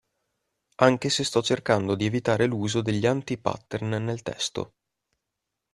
Anche se sto cercando di evitare l'uso degli anti-pattern nel testo.